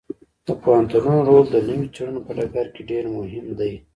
د پوهنتونونو رول د نویو څیړنو په ډګر کې ډیر مهم دی.